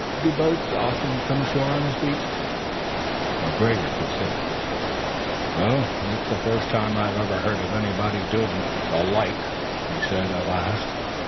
Do boats often come ashore on this beach?" McGregor considered. "It's the first time I ever h'ard of onybody doin' the like," he said at last.